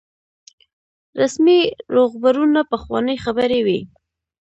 رسمي روغبړونه پخوانۍ خبرې وي.